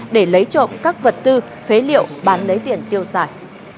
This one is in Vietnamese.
để lấy trộm các vật tư phế liệu bán lấy tiền tiêu xài